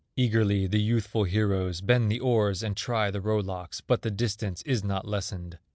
Eagerly the youthful heroes Bend the oars and try the row locks, But the distance is not lessened.